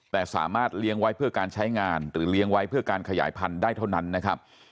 แต่สามารถเลี้ยงไว้เพื่อการใช้งานหรือเลี้ยงไว้เพื่อการขยายพันธุ์ได้เท่านั้นนะครับ